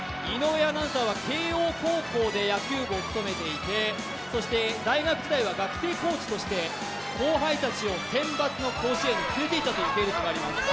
井上アナウンサーは慶応高校で野球部を務めていてそして大学時代は学生コーチとして後輩たちをセンバツの甲子園に連れていったという経験があります。